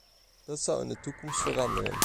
Dat zal in de toekomst veranderen.